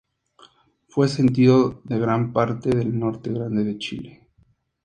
Fue sentido en gran parte del Norte Grande de Chile.